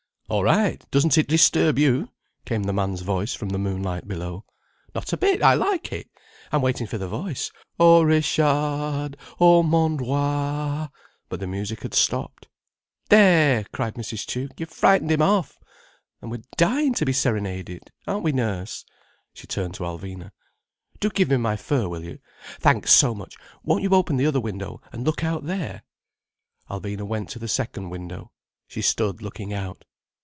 "All right. Doesn't it disturb you?" came the man's voice from the moonlight below. "Not a bit. I like it. I'm waiting for the voice. 'O Richard, O mon roi!'—" But the music had stopped. "There!" cried Mrs. Tuke. "You've frightened him off! And we're dying to be serenaded, aren't we, nurse?" She turned to Alvina. "Do give me my fur, will you? Thanks so much. Won't you open the other window and look out there—?" Alvina went to the second window. She stood looking out.